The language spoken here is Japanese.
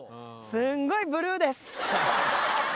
すんごいブルーです。